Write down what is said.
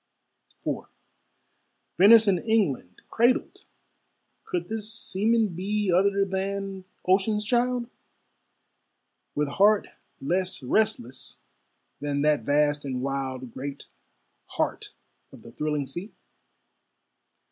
IV Venice and England cradled! Could this seaman be Other than ocean's child, With heart less restless than that vast and wild Great heart of the thrilling sea?